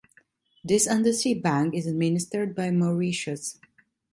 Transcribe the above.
This undersea bank is administered by Mauritius.